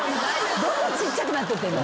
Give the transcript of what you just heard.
どんどんちっちゃくなってって。